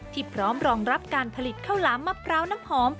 ที่พร้อมรองรับการผลิตข้าวล้ำมะปราวน้ำหอม